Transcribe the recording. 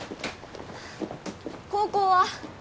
高校は？